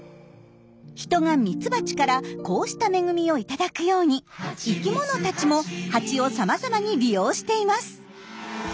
人がミツバチからこうした恵みを頂くように生きものたちもハチをさまざまに利用しています。